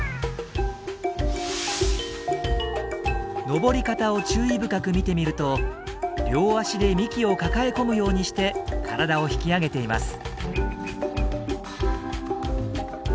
登り方を注意深く見てみると両足で幹を抱え込むようにして体を引き上げています。